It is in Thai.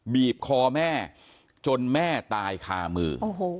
บีบคอแม่จนแม่ตายคามือ